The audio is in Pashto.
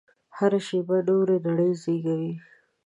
هره شېبه نوې نړۍ زېږوي.